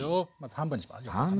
半分にします。